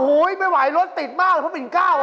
โอ้โฮไม่ไหวรถติดบ้านไอ้พระปิณก้าว